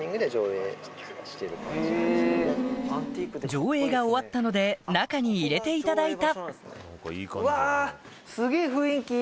上映が終わったので中に入れていただいた